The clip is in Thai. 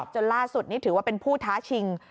จนล่าสุดนี่ถือว่าเป็นผู้ท้าชิง